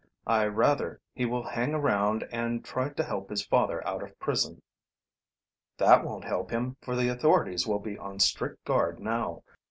"I rather he will hang around and try to help his father out of prison." "That won't help him, for the authorities will be on strict guard now.